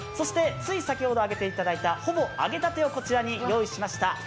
つい先ほど揚げていただいたほぼ揚げたてをこちらに用意しました。